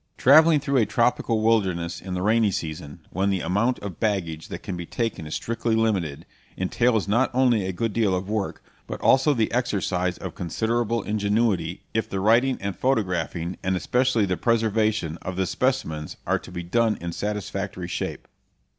Travelling through a tropical wilderness in the rainy season, when the amount of baggage that can be taken is strictly limited, entails not only a good deal of work, but also the exercise of considerable ingenuity if the writing and photographing, and especially the preservation, of the specimens are to be done in satisfactory shape.